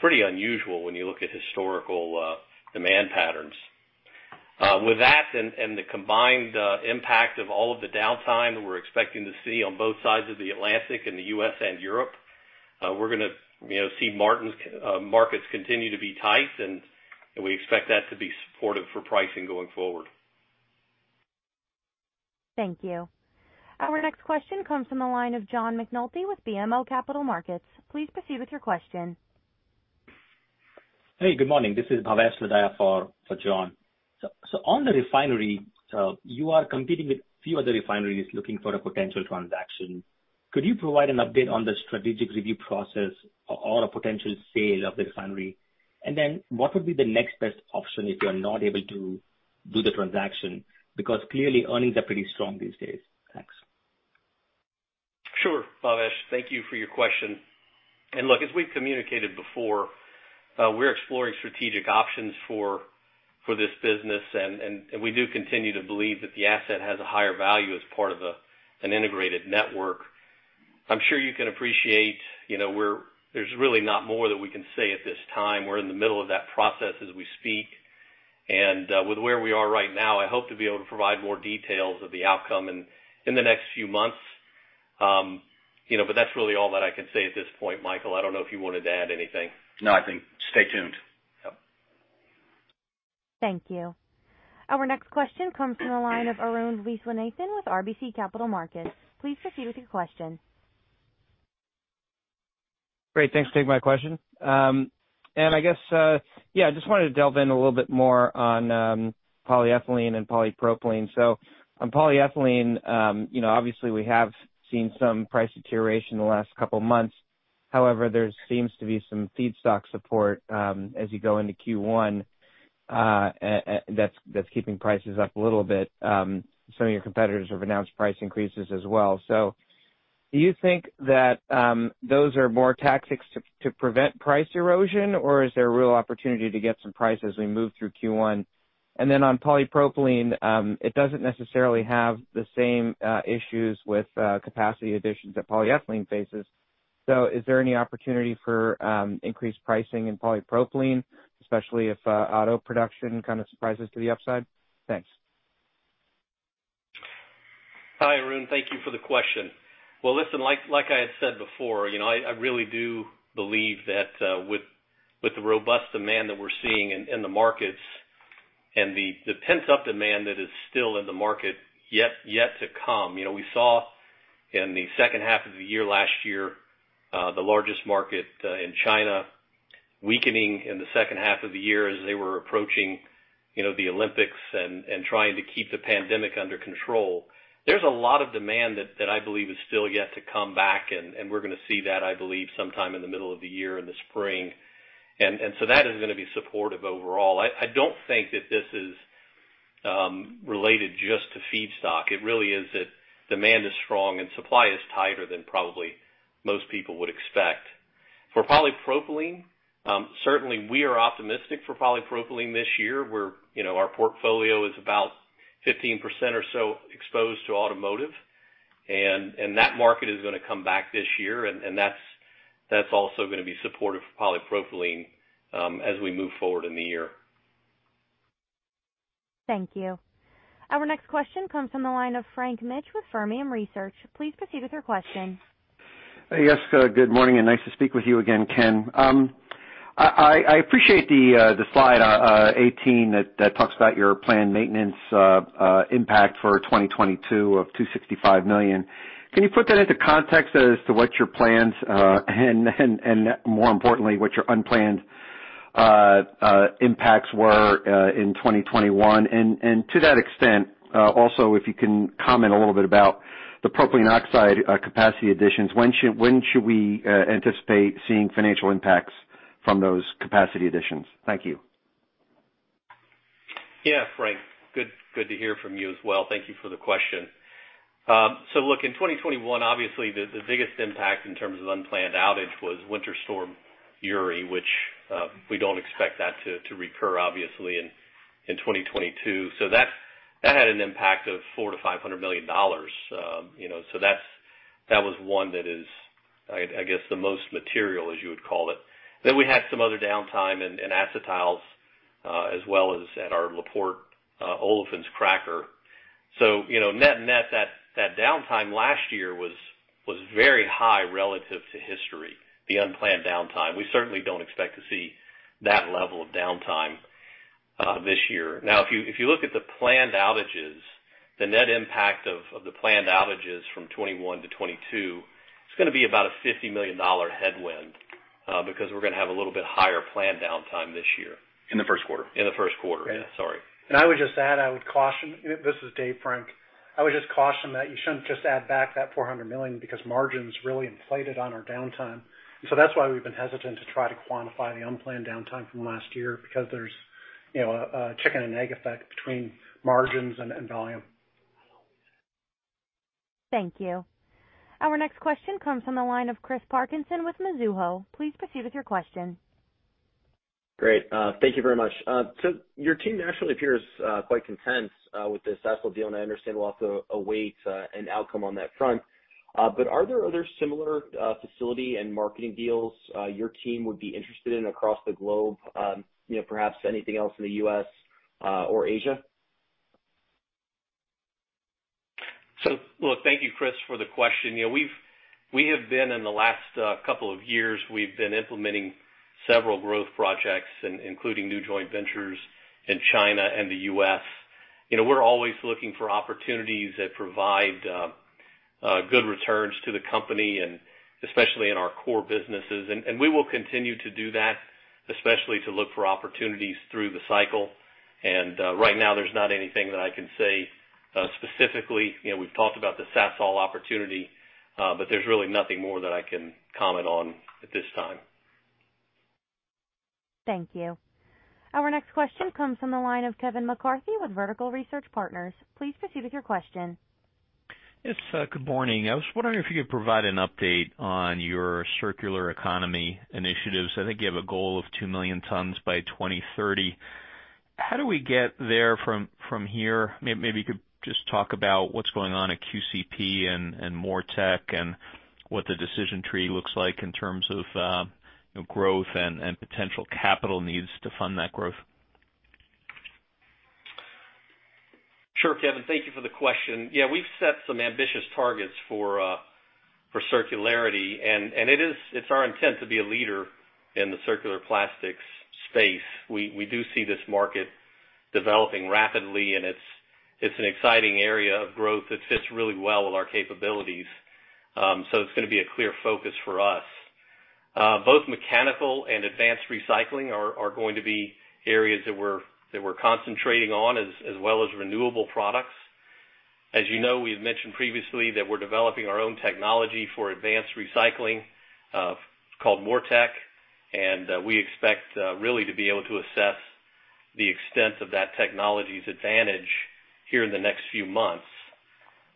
pretty unusual when you look at historical demand patterns. With that and the combined impact of all of the downtime that we're expecting to see on both sides of the Atlantic in the U.S. and Europe, we're gonna, you know, see markets continue to be tight, and we expect that to be supportive for pricing going forward. Thank you. Our next question comes from the line of John McNulty with BMO Capital Markets. Please proceed with your question. Hey, good morning. This is Bhavesh Lodaya for John. So on the refinery, you are competing with few other refineries looking for a potential transaction. Could you provide an update on the strategic review process or a potential sale of the refinery? Then what would be the next best option if you are not able to do the transaction? Because clearly, earnings are pretty strong these days. Thanks. Sure, Bhavesh. Thank you for your question. Look, as we've communicated before, we're exploring strategic options for this business and we do continue to believe that the asset has a higher value as part of an integrated network. I'm sure you can appreciate, there's really not much more that we can say at this time. We're in the middle of that process as we speak. With where we are right now, I hope to be able to provide more details of the outcome in the next few months. But that's really all that I can say at this point. Michael, I don't know if you wanted to add anything. No, I think stay tuned. Yep. Thank you. Our next question comes from the line of Arun Viswanathan with RBC Capital Markets. Please proceed with your question. Great. Thanks for taking my question. I guess I just wanted to delve in a little bit more on polyethylene and polypropylene. On polyethylene, you know, obviously we have seen some price deterioration in the last couple of months. However, there seems to be some feedstock support as you go into Q1, and that's keeping prices up a little bit. Some of your competitors have announced price increases as well. Do you think that those are more tactics to prevent price erosion, or is there a real opportunity to get some price as we move through Q1? On polypropylene, it doesn't necessarily have the same issues with capacity additions that polyethylene faces. Is there any opportunity for increased pricing in polypropylene, especially if auto production kind of surprises to the upside? Thanks. Hi, Arun. Thank you for the question. Well, listen, like I had said before, you know, I really do believe that with the robust demand that we're seeing in the markets and the pent-up demand that is still in the market yet to come. You know, we saw in the second half of the year last year the largest market in China weakening in the second half of the year as they were approaching, you know, the Olympics and trying to keep the pandemic under control. There's a lot of demand that I believe is still yet to come back, and we're gonna see that, I believe, sometime in the middle of the year, in the spring. That is gonna be supportive overall. I don't think that this is related just to feedstock. It really is that demand is strong and supply is tighter than probably most people would expect. For polypropylene, certainly we are optimistic for polypropylene this year, where, you know, our portfolio is about 15% or so exposed to automotive and that market is gonna come back this year and that's also gonna be supportive for polypropylene, as we move forward in the year. Thank you. Our next question comes from the line of Frank Mitsch with Fermium Research. Please proceed with your question. Yes, good morning and nice to speak with you again, Ken. I appreciate the slide 18 that talks about your planned maintenance impact for 2022 of $265 million. Can you put that into context as to what your plans and more importantly, what your unplanned impacts were in 2021? To that extent, also, if you can comment a little bit about the propylene oxide capacity additions. When should we anticipate seeing financial impacts from those capacity additions? Thank you. Yeah, Frank, good to hear from you as well. Thank you for the question. Look, in 2021, obviously the biggest impact in terms of unplanned outage was Winter Storm Uri, which we don't expect that to recur obviously in 2022. That had an impact of $400 million-$500 million. You know, so that's that was one that is, I guess, the most material, as you would call it. Then we had some other downtime in acetyls as well as at our La Porte olefins cracker. You know, net that downtime last year was very high relative to history, the unplanned downtime. We certainly don't expect to see that level of downtime this year. Now, if you look at the planned outages, the net impact of the planned outages from 2021 to 2022, it's gonna be about a $50 million headwind, because we're gonna have a little bit higher planned downtime this year. In the Q1? In the Q1. Yeah. Sorry. I would just add, I would caution. This is Dave, Frank. I would just caution that you shouldn't just add back that $400 million because margin's really inflated on our downtime. That's why we've been hesitant to try to quantify the unplanned downtime from last year because there's, you know, a chicken and egg effect between margins and volume. Thank you. Our next question comes from the line of Chris Parkinson with Mizuho. Please proceed with your question. Great. Thank you very much. Your team naturally appears quite content with the Sasol deal, and I understand we'll also await an outcome on that front. Are there other similar facility and marketing deals your team would be interested in across the globe, you know, perhaps anything else in the U.S. or Asia? Look, thank you, Chris, for the question. We have been in the last couple of years, we have been implementing several growth projects including new joint ventures in China and the U.S. We are always looking for opportunities that provide good returns to the company and especially in our core businesses. We will continue to do that, especially to look for opportunities through the cycle. Right now there is not anything that I can say specifically. We have talked about the Sasol opportunity, but there is really nothing more that I can comment on at this time. Thank you. Our next question comes from the line of Kevin McCarthy with Vertical Research Partners. Please proceed with your question. Yes, good morning. I was wondering if you could provide an update on your circular economy initiatives. I think you have a goal of 2 million tons by 2030. How do we get there from here? Maybe you could just talk about what's going on at QCP and MoReTec and what the decision tree looks like in terms of growth and potential capital needs to fund that growth. Sure, Kevin. Thank you for the question. Yeah, we've set some ambitious targets for circularity and it's our intent to be a leader in the circular plastics space. We do see this market developing rapidly, and it's an exciting area of growth that fits really well with our capabilities. So it's gonna be a clear focus for us. Both mechanical and advanced recycling are going to be areas that we're concentrating on as well as renewable products. As you know, we had mentioned previously that we're developing our own technology for advanced recycling, called MoReTec, and we expect really to be able to assess the extent of that technology's advantage here in the next few months.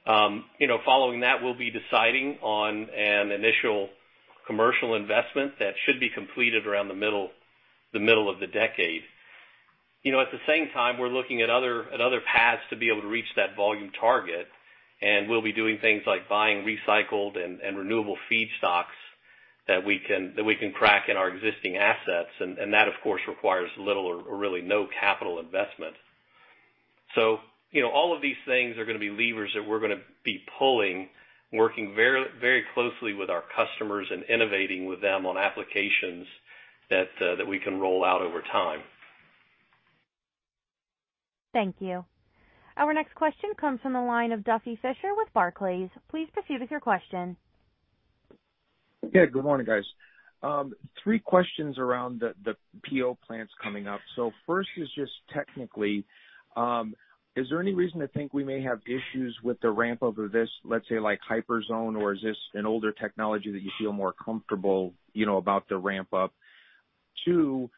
You know, following that, we'll be deciding on an initial commercial investment that should be completed around the middle of the decade. You know, at the same time, we're looking at other paths to be able to reach that volume target, and we'll be doing things like buying recycled and renewable feedstocks that we can crack in our existing assets. That, of course, requires little or really no capital investment. You know, all of these things are gonna be levers that we're gonna be pulling, working very closely with our customers and innovating with them on applications that we can roll out over time. Thank you. Our next question comes from the line of Duffy Fischer with Barclays. Please proceed with your question. Good morning, guys. Three questions around the PO plants coming up. First is just technically, is there any reason to think we may have issues with the ramp up of this, let's say, like Hyperzone, or is this an older technology that you feel more comfortable, you know, about the ramp up? Two,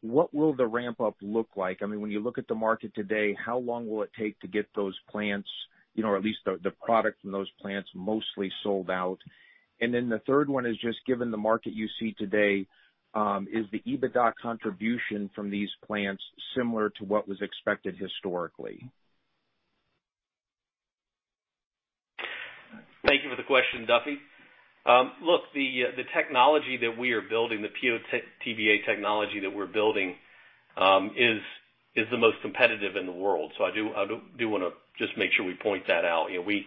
what will the ramp up look like? I mean, when you look at the market today, how long will it take to get those plants, you know, or at least the product from those plants mostly sold out? The third one is just given the market you see today, is the EBITDA contribution from these plants similar to what was expected historically? Thank you for the question, Duffy. Look, the technology that we are building, the PO/TBA technology that we're building, is the most competitive in the world. I do want to just make sure we point that out. You know,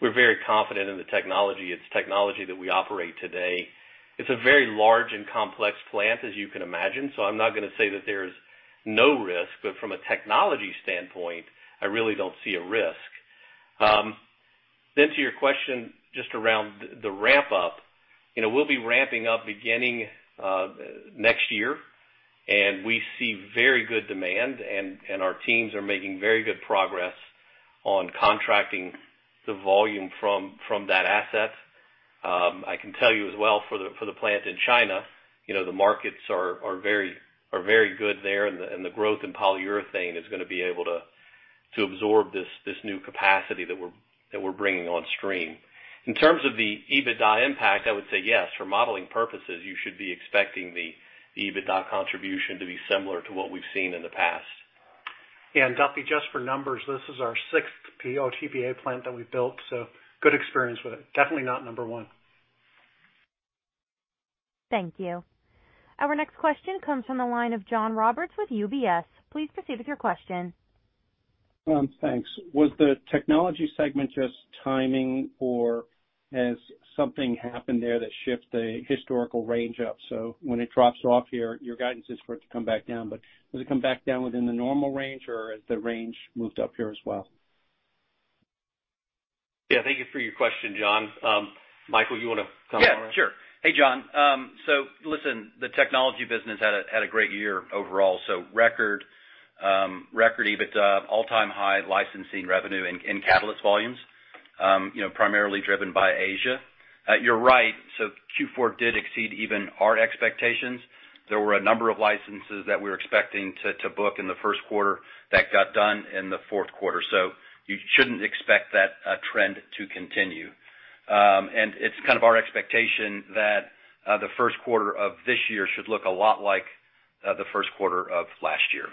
we're very confident in the technology. It's technology that we operate today. It's a very large and complex plant, as you can imagine. I'm not gonna say that there's no risk, but from a technology standpoint, I really don't see a risk. To your question just around the ramp up. You know, we'll be ramping up beginning next year, and we see very good demand and our teams are making very good progress on contracting the volume from that asset. I can tell you as well for the plant in China, you know, the markets are very good there, and the growth in polyurethane is gonna be able to absorb this new capacity that we're bringing on stream. In terms of the EBITDA impact, I would say yes. For modeling purposes, you should be expecting the EBITDA contribution to be similar to what we've seen in the past. Yeah, Duffy, just for numbers, this is our sixth PO/TBA plant that we've built, so good experience with it. Definitely not number one. Thank you. Our next question comes from the line of John Roberts with UBS. Please proceed with your question. Thanks. Was the technology segment just timing or has something happened there that shifts the historical range up? When it drops off here, your guidance is for it to come back down. Does it come back down within the normal range, or has the range moved up here as well? Yeah. Thank you for your question, John. Michael, you wanna comment on that? Yeah, sure. Hey, John. Listen, the technology business had a great year overall. Record EBITDA, all-time high licensing revenue in catalyst volumes, you know, primarily driven by Asia. You're right. Q4 did exceed even our expectations. There were a number of licenses that we were expecting to book in the Q1 that got done in the fourth quarter. You shouldn't expect that trend to continue. It's kind of our expectation that the Q1 of this year should look a lot like the Q1 of last year.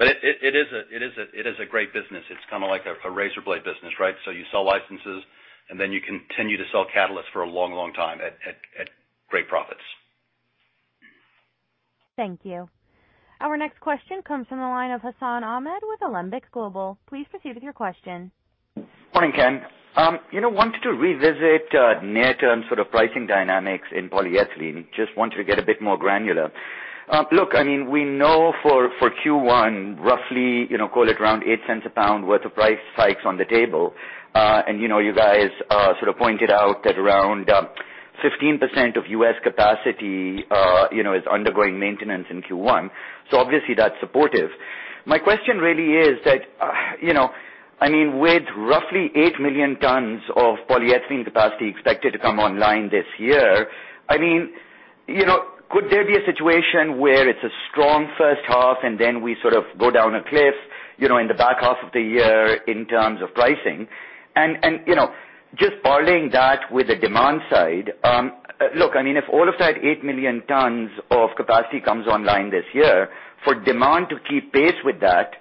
It is a great business. It's kinda like a razor blade business, right? You sell licenses, and then you continue to sell catalysts for a long, long time at great profits. Thank you. Our next question comes from the line of Hassan Ahmed with Alembic Global. Please proceed with your question. Morning, Ken. You know, wanted to revisit near-term sort of pricing dynamics in polyethylene. Just wanted to get a bit more granular. Look, I mean, we know for Q1, roughly, you know, call it around $0.08 a pound worth of price hikes on the table. You know, you guys sort of pointed out that around 15% of U.S. capacity you know is undergoing maintenance in Q1, so obviously that's supportive. My question really is that you know, I mean, with roughly 8 million tons of polyethylene capacity expected to come online this year, I mean, you know, could there be a situation where it's a strong first half, and then we sort of go down a cliff you know in the back half of the year in terms of pricing? you know, just borrowing that with the demand side, look, I mean, if all of that 8 million tons of capacity comes online this year, for demand to keep pace with that,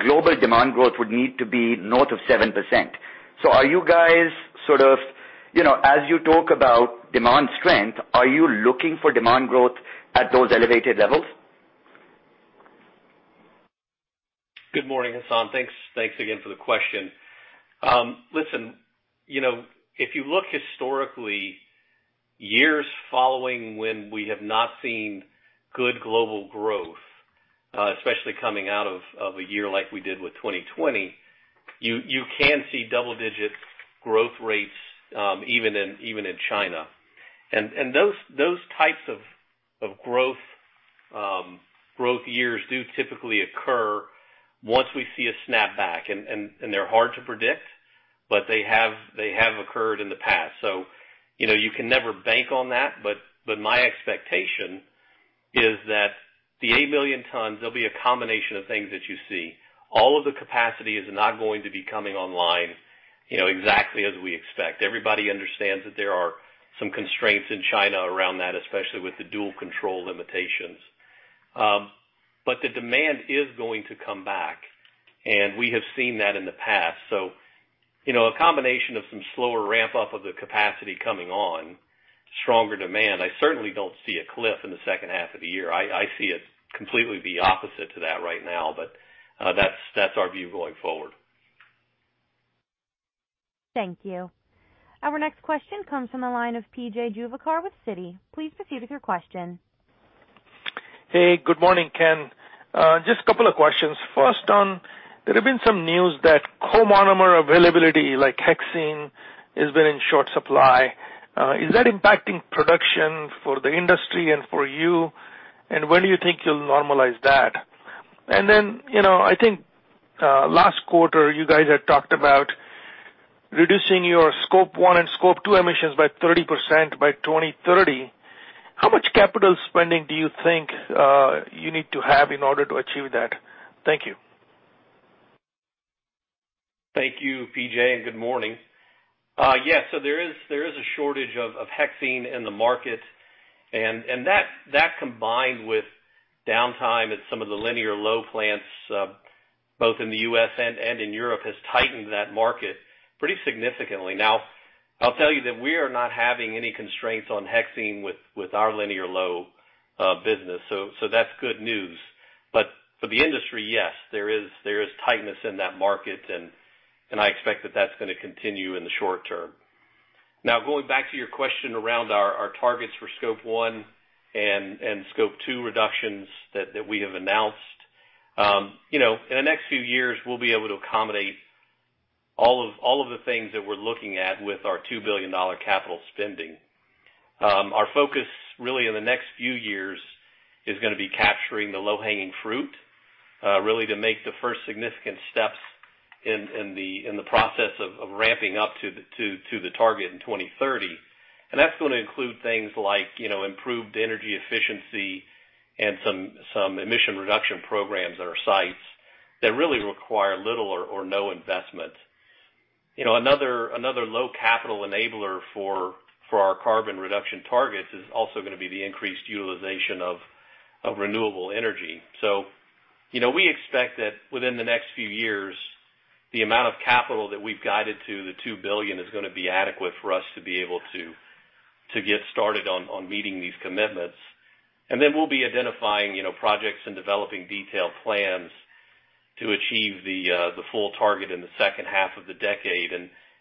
global demand growth would need to be north of 7%. Are you guys sort of, you know, as you talk about demand strength, are you looking for demand growth at those elevated levels? Good morning, Hassan. Thanks again for the question. Listen, you know, if you look historically, years following when we have not seen good global growth, especially coming out of a year like we did with 2020, you can see double digit growth rates, even in China. They're hard to predict, but they have occurred in the past. You know, you can never bank on that, but my expectation is that the 8 million tons, there'll be a combination of things that you see. All of the capacity is not going to be coming online, you know, exactly as we expect. Everybody understands that there are some constraints in China around that, especially with the dual control limitations. The demand is going to come back, and we have seen that in the past. You know, a combination of some slower ramp up of the capacity coming on, stronger demand. I certainly don't see a cliff in the second half of the year. I see it completely the opposite to that right now, but that's our view going forward. Thank you. Our next question comes from the line of PJ Juvekar with Citi. Please proceed with your question. Hey, good morning, Ken. Just a couple of questions. First on, there have been some news that comonomer availability like hexene has been in short supply. Is that impacting production for the industry and for you, and when do you think you'll normalize that? You know, I think, last quarter, you guys had talked about reducing your Scope 1 and Scope 2 emissions by 30% by 2030. How much capital spending do you think you need to have in order to achieve that? Thank you. Thank you, PJ, and good morning. Yes, there is a shortage of hexene in the market, and that combined with downtime at some of the linear low plants, both in the U.S. and in Europe, has tightened that market pretty significantly. Now, I'll tell you that we are not having any constraints on hexene with our linear low business, so that's good news. For the industry, yes, there is tightness in that market, and I expect that that's gonna continue in the short term. Now, going back to your question around our targets for Scope 1 and Scope 2 reductions that we have announced, in the next few years we'll be able to accommodate all of the things that we're looking at with our $2 billion capital spending. Our focus really in the next few years is gonna be capturing the low-hanging fruit, really to make the first significant steps in the process of ramping up to the target in 2030. That's gonna include things like improved energy efficiency and some emission reduction programs at our sites that really require little or no investment. Another low capital enabler for our carbon reduction targets is also gonna be the increased utilization of renewable energy. You know, we expect that within the next few years, the amount of capital that we've guided to $2 billion is gonna be adequate for us to be able to get started on meeting these commitments. We'll be identifying, you know, projects and developing detailed plans to achieve the full target in the second half of the decade.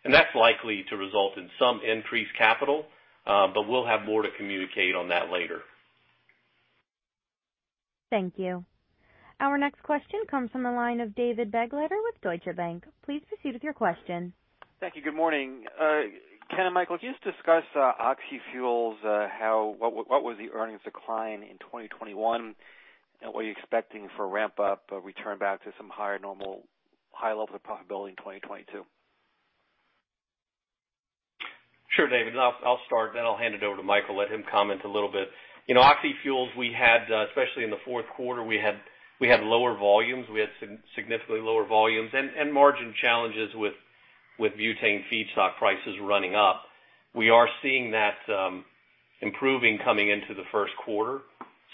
That's likely to result in some increased capital, but we'll have more to communicate on that later. Thank you. Our next question comes from the line of David Begleiter with Deutsche Bank. Please proceed with your question. Thank you. Good morning. Ken and Michael, can you just discuss oxyfuels, what was the earnings decline in 2021? What are you expecting for ramp up or return back to some higher normal, high levels of profitability in 2022? Sure, David. I'll start, then I'll hand it over to Michael, let him comment a little bit. You know, oxyfuels, we had especially in the Q4, we had lower volumes. We had significantly lower volumes and margin challenges with butane feedstock prices running up. We are seeing that improving coming into the Q1.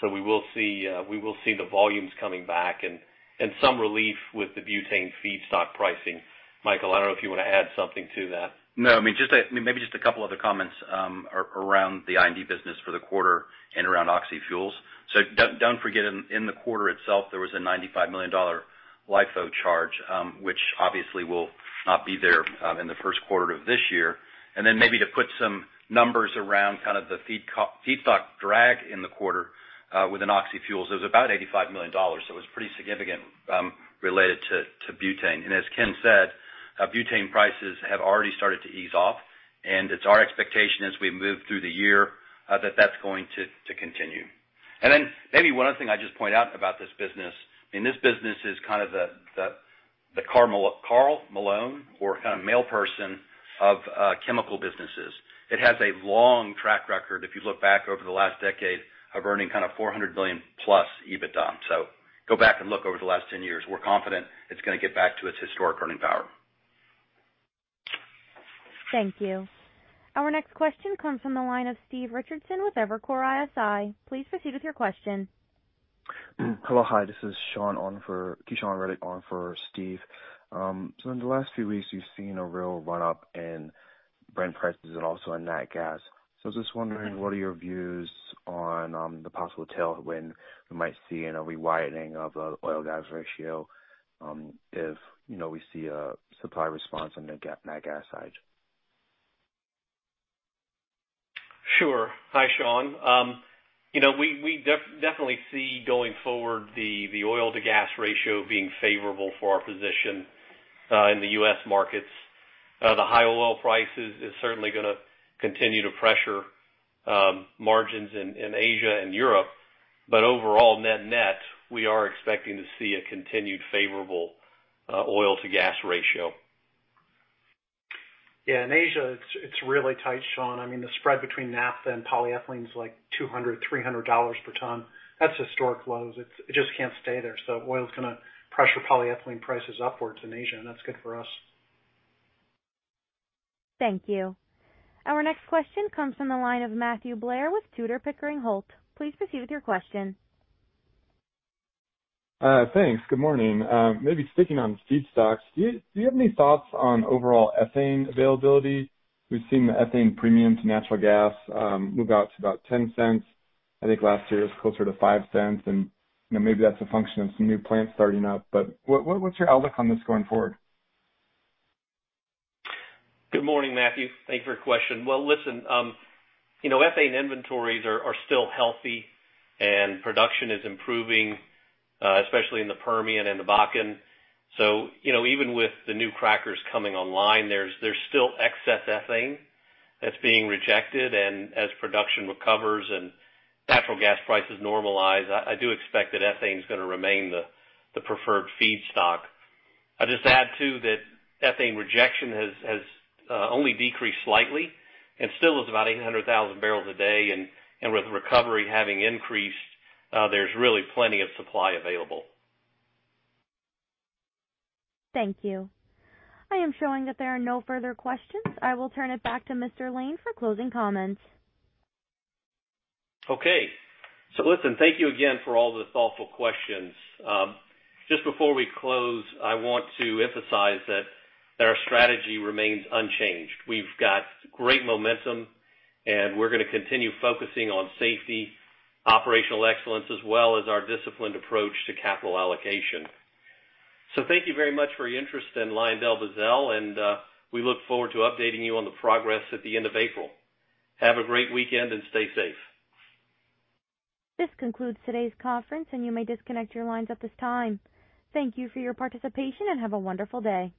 We will see the volumes coming back and some relief with the butane feedstock pricing. Michael, I don't know if you wanna add something to that. No, I mean, just maybe just a couple other comments around the I&D business for the quarter and around oxyfuels. Don't forget, in the quarter itself, there was a $95 million LIFO charge, which obviously will not be there in the Q1 of this year. Maybe to put some numbers around kind of the feedstock drag in the quarter, within oxyfuels, it was about $85 million. It was pretty significant, related to butane. As Ken said, butane prices have already started to ease off, and it's our expectation as we move through the year that that's going to continue. Then maybe one other thing I'd just point out about this business. I mean, this business is kind of the Karl Malone or kind of mail person of chemical businesses. It has a long track record, if you look back over the last decade, of earning kind of $400 million+ EBITDA. Go back and look over the last 10 years. We're confident it's gonna get back to its historic earning power. Thank you. Our next question comes from the line of Stephen Richardson with Evercore ISI. Please proceed with your question. Hello, hi. This is Sean on for Steve. In the last few weeks, we've seen a real run up in Brent prices and also in nat gas. I was just wondering, what are your views on the possible tailwind we might see in a re-widening of the oil/gas ratio, if, you know, we see a supply response on the nat gas side? Sure. Hi, Sean. You know, we definitely see going forward the oil to gas ratio being favorable for our position in the U.S. markets. The high oil prices is certainly gonna continue to pressure margins in Asia and Europe, but overall net-net, we are expecting to see a continued favorable oil to gas ratio. Yeah, in Asia, it's really tight, Sean. I mean, the spread between naphtha and polyethylene is like $200-$300 per ton. That's historic lows. It just can't stay there. Oil's gonna pressure polyethylene prices upward in Asia, and that's good for us. Thank you. Our next question comes from the line of Matthew Blair with Tudor, Pickering Holt. Please proceed with your question. Thanks. Good morning. Maybe sticking on feedstocks. Do you have any thoughts on overall ethane availability? We've seen the ethane premium to natural gas, move out to about $0.10. I think last year it was closer to $0.05. You know, maybe that's a function of some new plants starting up. What's your outlook on this going forward? Good morning, Matthew. Thank you for your question. Well, listen, you know, ethane inventories are still healthy and production is improving, especially in the Permian and the Bakken. You know, even with the new crackers coming online, there's still excess ethane that's being rejected. As production recovers and natural gas prices normalize, I do expect that ethane is gonna remain the preferred feedstock. I'll just add, too, that ethane rejection has only decreased slightly and still is about 800,000 barrels a day. With recovery having increased, there's really plenty of supply available. Thank you. I am showing that there are no further questions. I will turn it back to Mr. Lane for closing comments. Okay. Listen, thank you again for all the thoughtful questions. Just before we close, I want to emphasize that their strategy remains unchanged. We've got great momentum, and we're gonna continue focusing on safety, operational excellence, as well as our disciplined approach to capital allocation. Thank you very much for your interest in LyondellBasell, and we look forward to updating you on the progress at the end of April. Have a great weekend and stay safe. This concludes today's conference, and you may disconnect your lines at this time. Thank you for your participation, and have a wonderful day.